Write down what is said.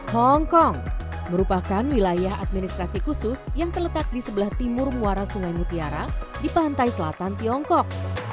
hongkong merupakan wilayah administrasi khusus yang terletak di sebelah timur muara sungai mutiara di pantai selatan tiongkok